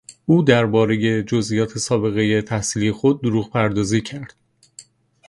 او دربارهی جزییات سابقهی تحصیلی خود دروغ پردازی کرد.